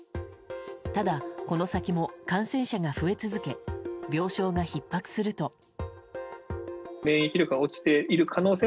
ただ、この先も感染者が増え続け病床がひっ迫すると。